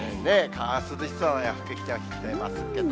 あー、涼しそうな服着て、手を振ってますけど。